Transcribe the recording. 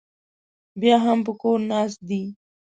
بیا هم په کور ناست دی